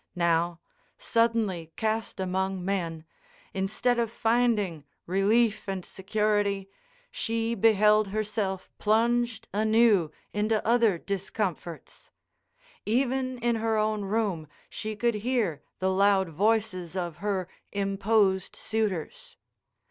Now, suddenly cast among men, instead of finding relief and security, she beheld herself plunged anew into other discomforts. Even in her own room she could hear the loud voices of her imposed suitors.